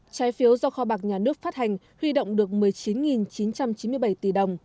trái phiếu do kho bạc nhà nước phát hành huy động được một mươi chín chín trăm chín mươi bảy tỷ đồng